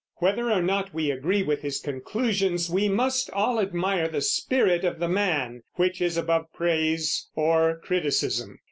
Whether or not we agree with his conclusions, we must all admire the spirit of the man, which is above praise or criticism.